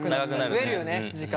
増えるよね時間。